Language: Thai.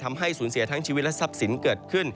ทำให้สูญเสียทั้งชีวิตและทรัพย์สินเกิดขึ้น